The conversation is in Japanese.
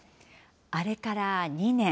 あれから２年。